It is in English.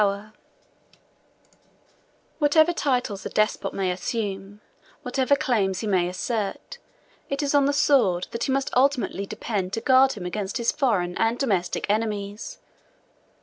] Whatever titles a despot may assume, whatever claims he may assert, it is on the sword that he must ultimately depend to guard him against his foreign and domestic enemies.